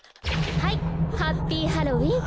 はいハッピーハロウィン！